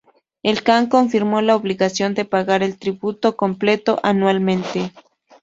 El kan confirmó la obligación de pagar el tributo completo anualmente.